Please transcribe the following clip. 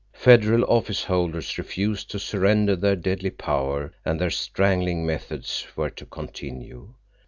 Federal office holders refused to surrender their deadly power, and their strangling methods were to continue.